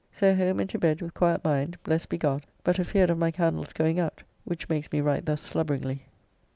So home and to bed with quiett mind, blessed be God, but afeard of my candle's going out, which makes me write thus slubberingly.